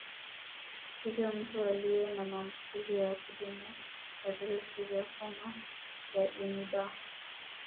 Hivyo Mtu aliye na maambukizi ya kudumu ya virusi vya homa ya ini B